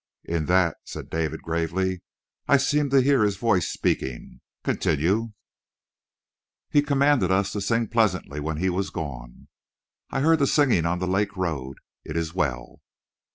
"In that," said David gravely, "I seem to hear his voice speaking. Continue." "He commanded us to sing pleasantly when he was gone." "I heard the singing on the lake road. It is well."